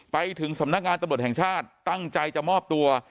ไปถึงสำนักงานตำรวจแห่งชาติตั้งใจจะมอบตัว